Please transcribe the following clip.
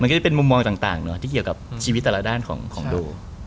ก็จะเป็นมุมมองต่างที่เกี่ยวกับชีวิตแต่ละด้านของโด